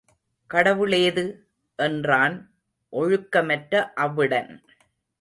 கடவுளேது? என்றான் ஒழுக்கமற்ற அவ்விடன்.